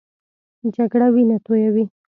جګړه وینه تویوي